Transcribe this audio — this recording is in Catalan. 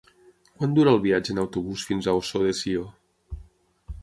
Quant dura el viatge en autobús fins a Ossó de Sió?